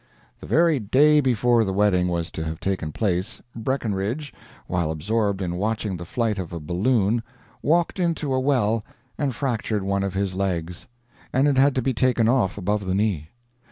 The very day before the wedding was to have taken place, Breckinridge, while absorbed in watching the flight of a balloon, walked into a well and fractured one of his legs, and it had to be taken off above the knee.